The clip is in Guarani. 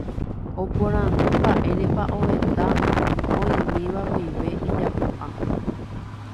Oporandu mba'érepa ovetã oĩmíva guive ijapu'a.